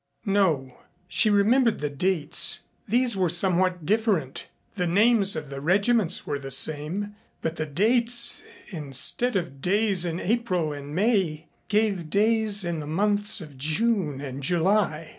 No. She remembered the dates. These were somewhat different. The names of the regiments were the same, but the dates instead of days in April and May gave days in the months of June and July.